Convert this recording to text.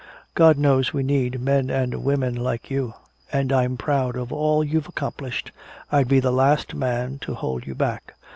God knows we need men and women like you and I'm proud of all you've accomplished, I'd be the last man to hold you back.